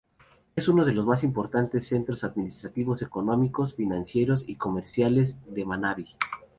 Es uno de los más importantes centros administrativos, económicos, financieros y comerciales de Manabí.